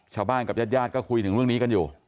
ชาวบ้านกับญาติญาติก็คุยถึงเรื่องนี้กันอยู่